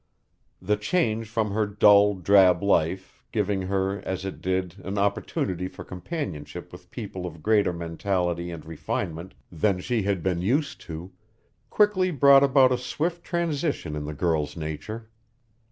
The change from her dull, drab life, giving her, as it did, an opportunity for companionship with people of greater mentality and refinement than she had been used to, quickly brought about a swift transition in the girl's nature.